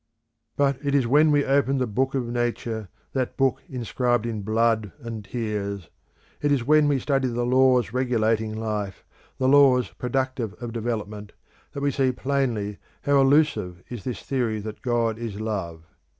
But it is when we open the Book of Nature, that book inscribed in blood and tears; it is when we study the laws regulating life, the laws productive of development, that we see plainly how illusive is this theory that God is Love.